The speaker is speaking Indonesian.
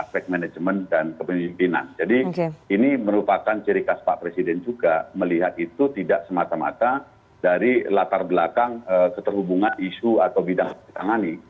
aspek aspek manajemen dan kepemimpinan jadi ini merupakan ciri khas pak presiden juga melihat itu tidak semata mata dari latar belakang keterhubungan isu atau bidang tangani